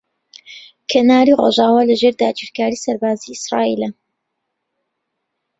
کەناری ڕۆژاوا لەژێر داگیرکاریی سەربازیی ئیسرائیلە.